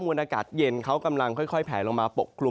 วนอากาศเย็นเขากำลังค่อยแผลลงมาปกกลุ่ม